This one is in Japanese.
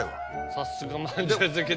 さすがまんじゅう好きで。